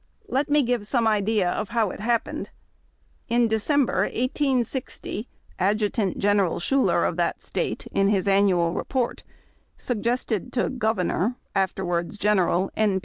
Let me give some idea of how it happened. In December, 1860, Ad jutant General Schoulev of that State, in his annual report, sug gested to Governor (afterwards General) N.